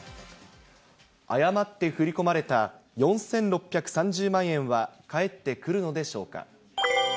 誤って振り込まれた４６３０万円は、返ってくるのでしょうか。